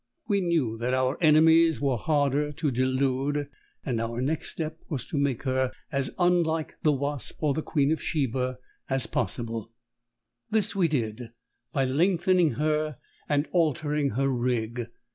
We knew that our enemies were harder to delude, and our next step was to make her as unlike the Wasp or the Queen of Sheba as possible. This we did by lengthening her and altering her rig.